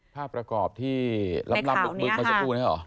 ภาพประกอบที่รำเป็นกลุ่มประชุมผูนั้นหรอ